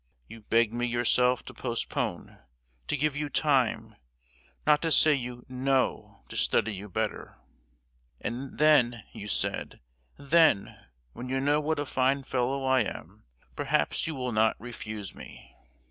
You begged me yourself to postpone, to give you time, not to say you 'No,' to study you better, and 'then,' you said, 'then, when you know what a fine fellow I am, perhaps you will not refuse me!